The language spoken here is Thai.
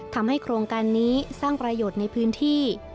โครงการนี้สร้างประโยชน์ในพื้นที่